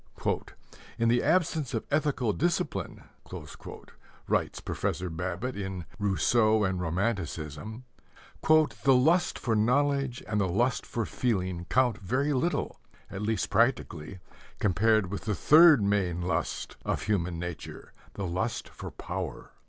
"In the absence of ethical discipline," writes Professor Babbitt in Rousseau and Romanticism, "the lust for knowledge and the lust for feeling count very little, at least practically, compared with the third main lust of human nature the lust for power.